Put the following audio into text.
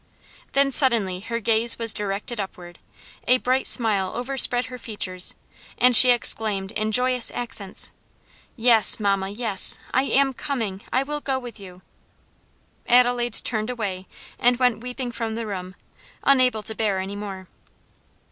Then suddenly her gaze was directed upward, a bright smile overspread her features, and she exclaimed in joyous accents, "Yes, mamma, yes; I am coming! I will go with you!" Adelaide turned away and went weeping from the room, unable to bear any more.